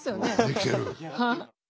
できてる。